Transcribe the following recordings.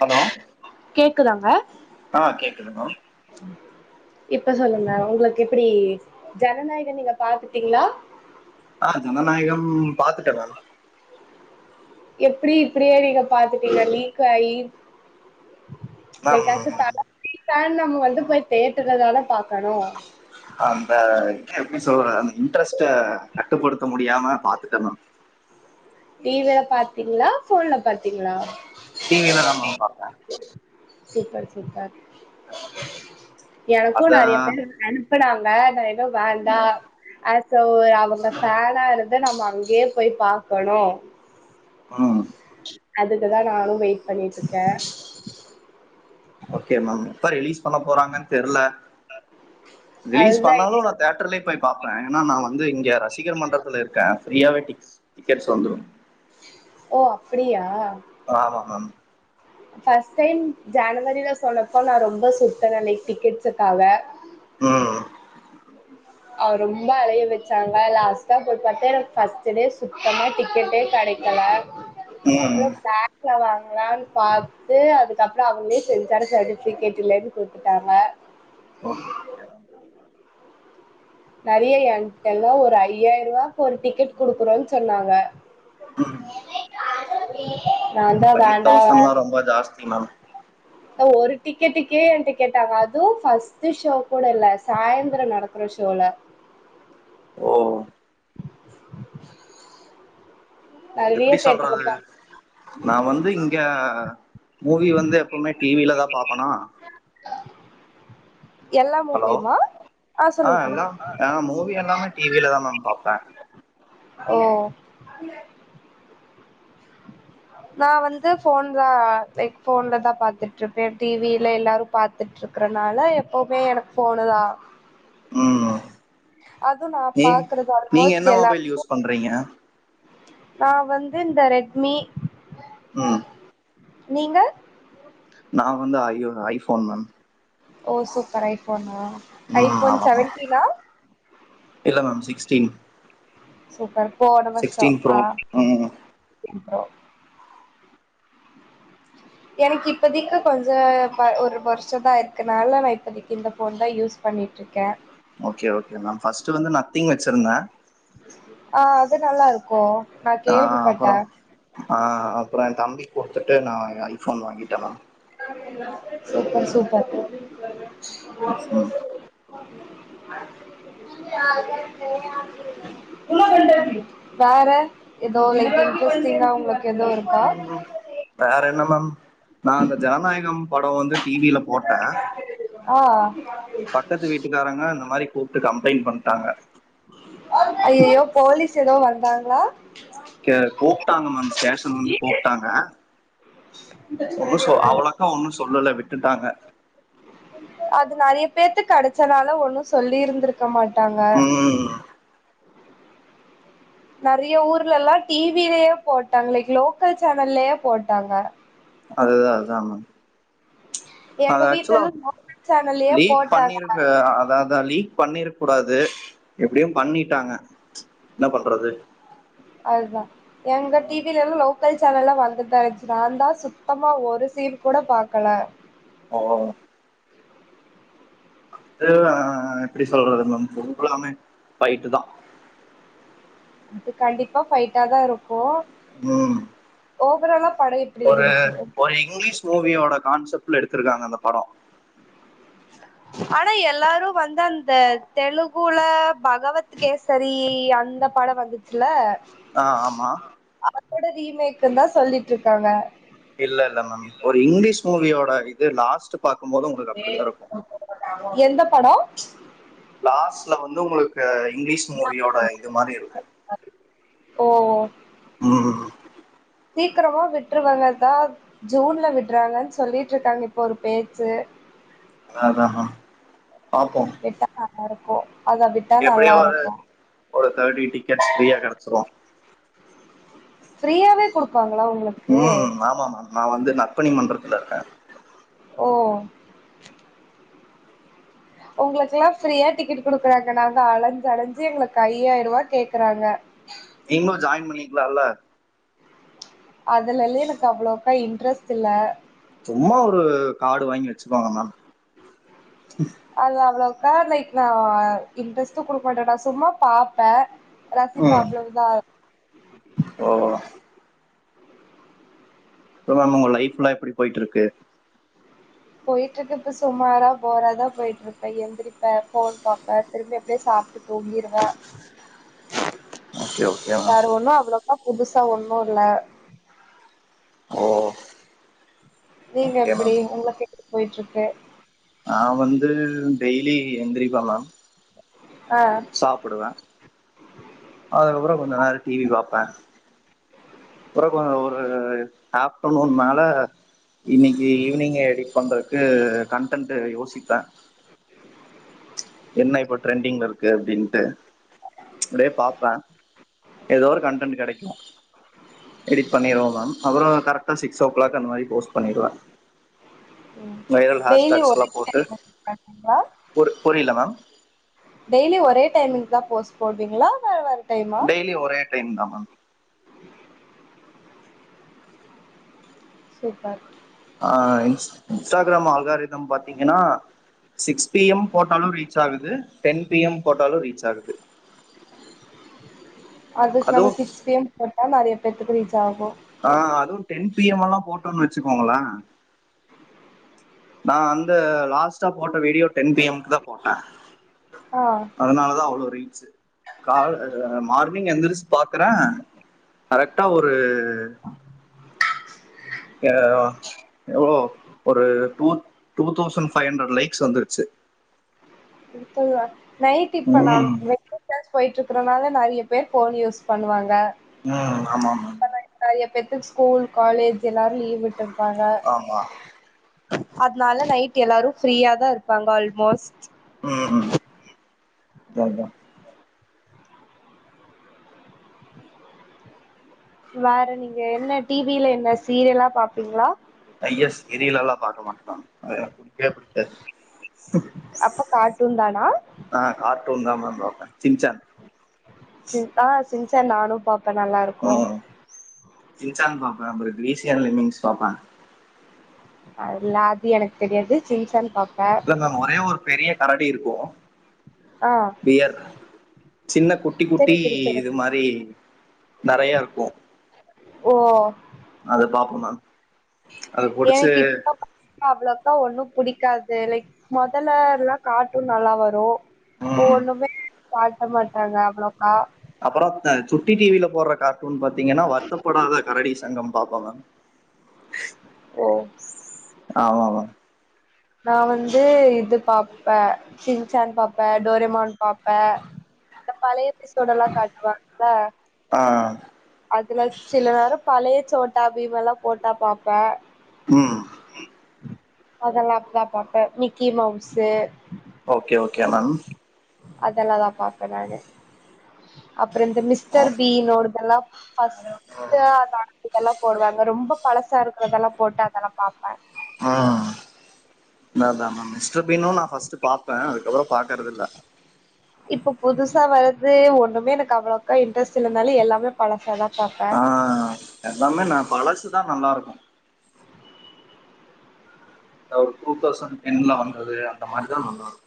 hello குதாங்க ஆ கேக்குதுங்கோ இப்ப சொல்லுங்க உங்களுக்கு எப்டி ஜனநாயகன் நீங்க பாத்துட்டீங்ளா ஆ ஜனநாயகம் பாத்துட்ட மேம் எப்டி இப்டியே நீங்க பாத்துட்டீங்க லீக் ஆயி மேம் மேம் [unintelligible] தன் நம்ம வந்து போய் தேட்டற்லதான பாக் அந்த அதா சொல்ற அந்த இன்ட்ரெஸ்ட்ட கட்டுப்படுத்த முடியாம பாத்துட்ட நா டிவில பாத்தீங்ளா ஃபோன்ல பாத்தீங்ளா டிவில தா மேம் பாத்த சூப்பர் சூப்பர் எனக்கு அதா நறையா பேர் அனுப்புனாங் [unintelligible] [unintelligible] வேண்டா ம் அ சோ ஒரு அவுங்க ஃபேனா இருந்து நம்ம அங்கேயே போய் பா க்கணு ஆ அதுக்குதா நானும் வெயன் பண்ணிட்டுருக்க சொன்ன போறாங்கன்னு தெரியல ரிலீஸ் அதுதா பண்ணாலும் நா தியட்டர்லயே போய் பாப்பேன் ஏன்னா நான் வந்து இங்கய ரசிகர் மன்றத்தில் இருக்கே ரியாவட்டிக்ஸ் டிக்கெட்ஸ் வந்துரும் அப்படியியா ஆமா ஆ ஃபர்ஸ்ட் டைம் ஜனவரில சொன்னப்போ நா ரொம்ப சுத்தேன் லைக் டிக்கெட்ஸுக்காக ம் அவ ரொம்ப அழைய வச்சாங்க லாஸ்ட்டா போய் பார்த்தேன் எனக்கு ஃபர்ஸ்ட் டே சுத்தமா டிக்கெட்டே கிடைக்கல ம் அப்புறம் பேக்ல வாங்க ன்னு பார்த்து அதுக்கப்புறம் அவங்களே சென்சான சர்ட்டிபிகேட் இல இருந்து கொத்துட்டாங்க ஓகே ஓகே நிறைய என எல்லாம் ஒரு ஐயாயிரம் ரூபாகு ஒரு டிக்கெட் குடுக்குறோம்ன்னு சொன்னாங்க ம் [inaudible] தா ஃபைவ் வேண்டா தௌசண்ட்லாம் வேண்டா ரொம்ப ஜாஸ்தி மேம் ஒரு டிக்கெட்டுக்கே என் டிக்கெட்டாங்க அதுவும் ஃபஸ்ட்ட் ஷோ கூட இல்ல சாயந்தரம் நடக்கற ஷோல ஓ நெறைய எப்படி சொல்றது தேட்டர்ல நா வந்து இங்க மூவி வந்து எப்பவுமே டிவிலதா பாப்பனா எல்லா ஹலோ மூவியுமா ஆ சொல்லுங்க ஆஹ் சொல்லுங்க எல்லாம் ஆஹ் மூவி எல்லாமே டிவிலதா மேம் பாப்ப ஓ நா வந்து போன் தா லைக் போன்ல தா பாத்துட்டு இருப்பேன் டிவில எல்லாரும் பாாரத்துட்டு இருக்கறனால எப்பவுமே எனக்கு போனு தா உம் அதுவு நா நீ பாக்குறது நீங்க ஆல்மோஸ்ட் என்ன எல்லா மொபைல் யூஸ் பண்றீங்க நா வந்து இந்த ரெட்மி உஹம் நீங்க நா வந்து ஐயோ ஐபோன் மேம் ஓ சூப்பர் ஐபோனா ம் ஐபோன் ஆமா மேம் செவன்டீனா இல்ல மேம் சிக்ஸ்டீன் சூப்பர் போனவர்ஷோ சிக்ஸ்டீன் ப்ரோ ஆஹ ம் இப்போ எனக்கு இப்பதிக்கு கொஞ்ச ஒரு வருஷதா இருக்குனால நா இப்பதிக்கு இந்த போன் தா யூஸ் பண்ணிட்ருக்கேன் ஓகே ஓகே மேம் பர்ஸ்ட் வந்து நத்திங் வச்சிருந்த ஆஹ் அது நல்லா இருக்கு நா ஆஹ் அப்புறோ கேள்விப்பட்டே ஆஹ் அப்புறோ தம்பி குடுத்துட்டு நா ஐபோன் வாங்கிட்ட மேம் சூப்பர் சூப்பர் ம் [unintelligible] வேற எதோ லைக் இன்ட்ரஸ்டிங்கா உங்களுக்கு எதோ இருக்கா வேற என்ன மேம் நா அந்த ஜனநாயகம் படம் வந்து டி வியில போட்ட ஆ பக்கத்து வீட்டுக்காரங்க இந்த மாரி கூப்டு கம்ப்ளைண்ட் பண்டாங்க ஐய்யய்யோ போலீஸ் எதோ வந்தாங் களா கூப்டாங்க மேம் ஸ்டேஷன் வந்து கூப்டாங்க ஒன்னு சொ அவளோக்கா ஒன்னு சொல்லுல விட்டுட்டாங்க அது நெறய பேத்துக் கடச்சனால ஒண்ணு சொல்லிருந்திருக் க மாட்டாங்க ம் நெறய ஊர்லல்லா டி விலயே போட்டாங்க லைக் லோக்கல் சேனல்லயே போட்டாங்க அதுதா அதா மேம் ப்ச் அத எங்க வீட்ல ஆக்சுலா எல்லா லோக்கல் சேனல்லயே லீக் போட்டாங்க பண்ணிருக்கு அத அதா லீக் பண்ணிரு கூடாது எப்டியு பண்ணிட்டாங்க என்ன பண்றது அதுதா எங்க டி விலல்லா லோ க்கல் சேனல்ல வந்துட்தா இருச்சு நான்ந்தா சுத்தமா ஒரு சீன் கூட பாக்கல ஓஹ்ஹ அது ஹ எப்டி சொல்றது மேம் ஃபுல்லாமே பயிட்டுதா அது கண்டிப்பா ஃபைட்டாதா இருக்கு உம் ஓவராலா படோ இப்டி ஒரு இருந்துச்சு ஒரு இங்லீஷ் மூவியோட கான்செப்ட் ல எடுத்திருக்காங்க அந்த படோ ஆனா எல்லாரு நம்ம வந்து அந்த தெலுகுல பகவத் கேசரி அந்த படோ வந்துச்சுல்ல ஆஹ் ஆமா அதோட ரீமேக்ந்தா சொல்ட்டு இருக்காங்க இல்ல இல்ல மேம் ஒரு இங்கிலீஷ் மூவியோட இது லாஸ்ட் பாக்கும்போது உங்களுக்கு அப்டிதா இருக்கு எந்த படோ லாஸ்ட்ல வந்து உங்களுக்கு இங்கிலீஷ் மூவியோட இது மாரி இருக்கு ஓ சீக்கிரமா விட்டுருவாங்கதா ஜூன்ல விடுறாங்கன்னு சொல்லிட்டு இருக்காங்க இப்ப ஒரு பேச்சு அதா அதா மேம் பாப்போ மரக்கும் எப்படியோ ஒரு தேர்ட்டி டிக்கெட்ஸ் ஃப்ரீயா கெடச்சிரும் ஃப்ரீயாவே குடுப்பாங்களா உங்களுக்கு ம் ஆமாம் மேம் நான் வந்து நற்பனி மன்றத்தில இருக்கேன் ஓ உங்களுக்குக்கெல்லாம் ஃப்ரீயா டிக்கெட் குடுக்குறாங்க நாங்க அலைஞ்ச அலைஞ்சு எங்களுக்கு ஐயாயி ரூவா கேக்குறாங்க நீங்களும் ஜாயின் பண்ணிக்கலால அதுலய எனக்கு அவ்வளோவுக்கா இன்ட்ரெஸ்ட் இல்ல சும்மா ஒரு காடு வாங்கி வெச்சுக்கோங்க மேம் அதுல அவலோக் [unintelligible] லைக் நான் இன்ட்ரெஸ்ட்ட் கொடுக்க மாட்டேன் நான் சும்மா பாப்பேன் ரசிப்பன் ம் அவ்வளதான் ஓ [unintelligible] மேம் உங்க லைஃப்லாம் எப்படி போயிட்டு இருக்கு போயிட்டு இருக்கு இப்ப சுமாரா போறாதான் போயிட்டு இருப்பே எழுந்திரிப்ப ஃபோன் பாப்பே திரும்பி அப்படியே சாப்பிட்டு தூங்கிடுவே ஓகே ஓகே மேம் வேறு ஒன்னும் அவ்வளோக் புதுசா ஒன்னும் இல்ல ஓ நீங்க ஓகே எப்படி மேம் உங்களுக்கு போய்ட்டு இருக்கு நான் வந்து டெய்லி எந்திரிப்ப மேம் ஆ சாப்பிடுவேன் அதுக்கப்புறம் கொஞ்சம் நேரம் டிவி பார்ப்பேன் உறக்க ஒரு ஆஃப்டர்நூன் மேல இன்னைக்கு ஈவினிங்க எடி பண்ணுறக் து கன்டன்ட் யோசிப்பேன் என்ன இப்ப டரெண்டிங்ல இருக்கு அப்படின்ட்டு அப்படியே பார்ப்பேன் ஏதோ ஒரு கண்டன்ட் கெடைக்கும் எடிட் பண்ணிருவோம் மேம் அப்புறம் கரெக் சிக்ஸ் ஓ கிளாக் அந்த மாதிரி போஸ்ட் பண்ணிடுவேன் ம் வைரல் டெய்லி ஒரே ஹேஷ்டக்ஸ்லாம் போட்டு டைமிங் பண்றீங்களா பொ புரில மேம் [unintelligible] தான் போஸ்ட் போவீங்களா இல்ல வேற டைமா டெய்லி ஒரே டைம் தான் மேம் சூப்பர் ஆஹ் இன்ஸ்டாகிராம் அழ்காரிதம் பாத்தீங்கன்னா சிக்ஸ் பி எம் போட்டாலும் ரீச் ஆகுது டென் பி எம் போட்டாலும் ரீச் ஆகுது அதுவும் பெத்துக்கு ரீச் ஆகும் ஆஹ் அதுவும் டென் பி எம் எல்லாம் போட்டோன்னு வெச்சுக்கோங்களா நான் அந்த லாஸ்ட்டா போட்ட வீடியோ டென் பிஎம்க் தான் போட்டேன் ஆ அதனால தான் அவ்வளவு ரீச் கா மார் கி எந்தரிச்சு பாக்குறேன் கரெக்டா ஒரு து ஹ எவ்ளோ ஒரு two two thousand five hundred likes வந்துருச்சு [unintelligible] நைட் இப்ப நாம் ம் [unintelligible] போயிட்டு இருக்கேன் அப்புறனால நறைய பேர் ஃபோன் யூஸ் பண்ணுவாங்க உஹம் ஆமாமா நறைய பேத்துக்கு ஸ்கூல் காலேஜ் எல்லாரும் லீவ் விட்டு இருப்பாங்க ஆமா அதனால நைட் எல்லாரும் ஃப்ரீயா தான் இருப்பாங்க ஆல்மோஸ்ட் உம் உம் அதான் அதா வேற நீங்க என்ன டிவில என்ன சீரியலா பாப்பீங்களா பாக்க மாட்டன்டா அது பிடிக்கவே பிடிக்காது அப்ப கார்டூன் தானா நான் கார்ட்டூன் தான் பாப்பேன் சிஞ்சான் சின் ஆ சின்சான் நானும் பாப் ம் சின்சான் [unintelligible] அல்ல அது எனக்கு தெரியாது சின்சான்னு பாப்போம் இல்ல மேம் ஒரே ஒரு பெரிய கரடி இருக்கு ஆ [unintelligible] பியர் சின்ன குட்டி குட்டி தெரியு தெரியு சொல்லு இது மாரி நறைய இருக்கும் ஓ அது பாப்போம் தான் எனக்கு இப்ப அவ்ளோக்கா ஒண்ணும் புடிக்காது லைக் மொதல்ல எல்லாம் கார்ட்டூன் நல்லா வரும் போ ம் ஒணும காட்ட மாட்டாங்க அவ்ளோக்கா அப்புறம் சுட்டி டிவில போற கார்ட்டூன் பாத்தீங்கன்னா வருத்தப்படாத கரடி சங்கம் பாப்போ மேம் உம் ஆவ ஆவ நா வந்து இது பாப்பே சின்சான் பாப்பே டோரிமான் பாப் பே இந்த பழைய எபிசோடெல்லா காட்டுவாங்கல்ல ஆ அ துல சில நேரோ பழய சோட்டாபீமல்லா போட்டா பாப்பே உம் அதல்லா [unintelligible] தா பாப்பே Mickey Mouse okay okay ma'am அதெல்லா தா பாப்பே நானு அப் ப்றோ இந்த ஆ மிஸ்டர் பீன்னோடதல்லா [inaudible] [unintelligible] இதெல்லா போடுவாங்க ரொம்ப பழசா இருக்கறதெல்லா போட்டு அதெல்லா பாப்பே உம் அதா நா மிஸ்டர் பீன்னு நா ஃபஸ்ட்டு பாத் இப்ப புதுசா வரது ஒன் னுமே எனக்கு அவ்ளோக்கா இன்டரெஸ்ட்டு இல்லனால எல்லாமே பழசா தா ஆஹ் எல்லாமே நா பழசு தா நல்லாருக்கு [unintelligible] டூ தௌசண் டென்ல வந்தது அந்த மாரி தா நல்லாரு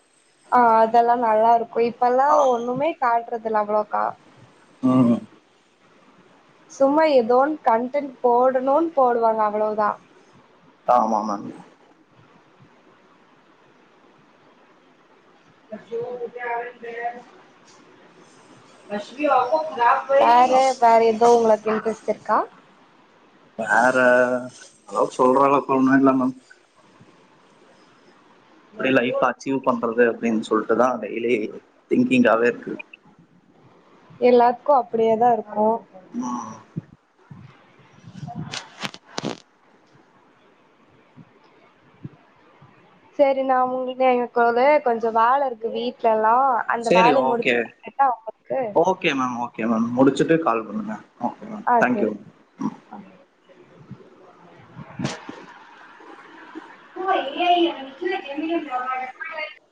நல்லாருக் கு இப்பல்லா ஒன்னுமே காட் ட்றதில்ல அவ்ளோக்கா உம் சும்மா எதோன் கன்டன்ட் போடணுன் போடுவாங்க அவ்ளவு தா ஆமாமாங் [inaudible] வேற வேற எதோ உங்களுக் இன்ட்ரெஸ்ட் இருக்கா வேற அதாவ்து சொல்ற அளவுக்குல்லா ஒன்னு இல்ல மேம் எப்டி லைஃப்ப அச்சீவ் பண்றது அப்டின் சொல் ட்டு தா டெய்லி திங்க்கிங்காவே இருக்கு எல்லாத்க்கு அப்டியே தா இருக் ஆமா [inaudible] சேரி நா [unintelligible] எனக் ஒரு கொஞ்ச வேல இருக்கு வீட்லல்லா அந்த சேரி வேலைய முடிச்சு ஓகே கேட்டா உங்களுக்கு ஓகே மேம் ஓகே மேம் முடிச்சுட்டு கால் பண்ணுங்க ஓகே மேம் ஆ தேங்க்யூ சரி [inaudible]